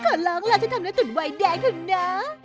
ขอลองล่ะฉันทำน้ำตุ๋นไว้แดงถึงนะ